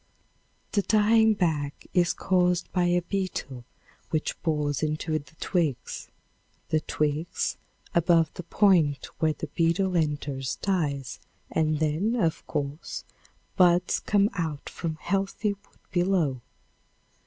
The dying back is caused by a beetle which bores into the twigs. The twigs above the point where the beetle enters dies and then, of course, buds come out from healthy wood below.